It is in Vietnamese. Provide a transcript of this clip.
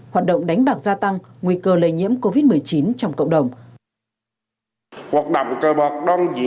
hoạt động đánh bạc gia tăng nguy cơ lây nhiễm covid một mươi chín trong cộng đồng